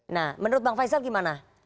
nah menurut bang faisal gimana